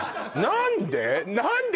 何で？